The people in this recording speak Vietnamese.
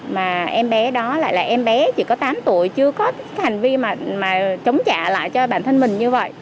mà em bé đó lại là em bé chỉ có tám tuổi chưa có hành vi mà chống trả lại cho bản thân mình như vậy